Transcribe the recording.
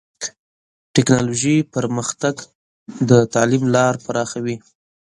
ټکنالوژي پرمختګ د تعلیم لار پراخوي.